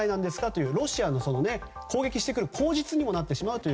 とロシアが攻撃してくる口実にもなってしまうと。